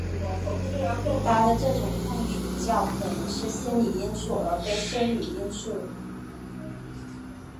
他的这种痛楚较可能是心理因素而非生理因素。